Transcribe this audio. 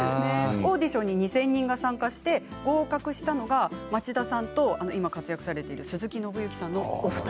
オーディションに２０００人が参加して合格したのが町田さんと今活躍されている鈴木伸之さんのお二人。